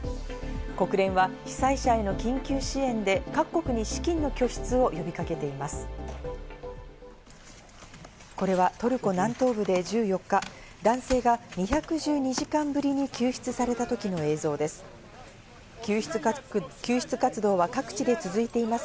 国連は被災者への緊急支援で各国に資金の拠出を呼びかけています。